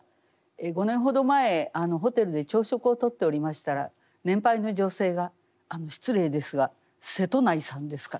５年ほど前ホテルで朝食をとっておりましたら年配の女性が「失礼ですが瀬戸内さんですか？」